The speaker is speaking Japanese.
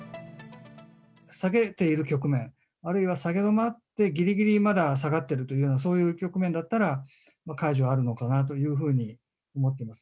下げている局面、あるいは下げ止まってぎりぎりまだ下がっているというような、そういう局面だったら、解除はあるのかなというふうに思ってます。